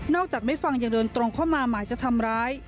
จากไม่ฟังยังเดินตรงเข้ามาหมายจะทำร้าย